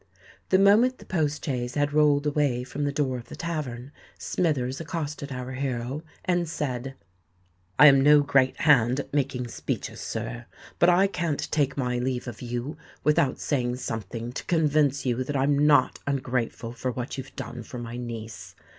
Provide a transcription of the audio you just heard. The moment the post chaise had rolled away from the door of the tavern, Smithers accosted our hero, and said, "I am no great hand at making speeches, sir; but I can't take my leave of you, without saying something to convince you that I'm not ungrateful for what you've done for my niece.